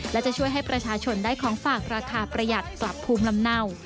และจะช่วยให้ประชาชนได้ของฝากราคาประหยัดกลับภูมิลำเนา